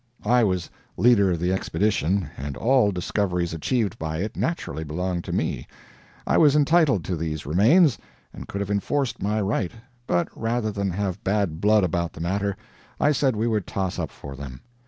I was leader of the Expedition, and all discoveries achieved by it naturally belonged to me. I was entitled to these remains, and could have enforced my right; but rather than have bad blood about the matter, I said we would toss up for them.